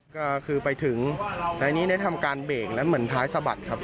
ก็คือไปถึงตอนนี้ได้ทำการเบรกแล้วเหมือนท้ายสะบัดครับ